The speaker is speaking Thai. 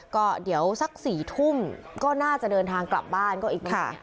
ก็เดี๋ยวสัก๔ทุ่มก็น่าจะเดินทางกลับบ้านก็อีกหนึ่ง